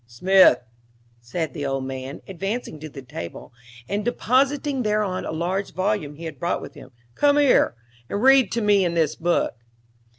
"Smith," said the old man, advancing to the table, and depositing thereon a large volume he had brought with him, "come here, and read to me in this book."